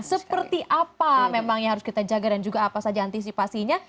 seperti apa memang yang harus kita jaga dan juga apa saja antisipasinya